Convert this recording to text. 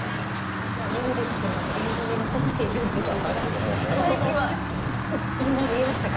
ちなみにですけれども映像に残っているんですが最後、皆さん見えましたか？